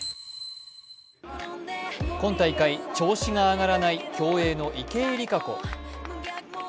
今大会、調子が上がらない競泳の池江璃花子。